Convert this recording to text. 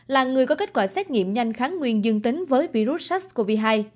là người có kết quả xét nghiệm nhanh kháng nguyên dương tính với virus sars cov hai